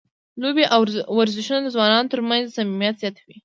لوبې او ورزشونه د ځوانانو ترمنځ صمیمیت زیاتوي.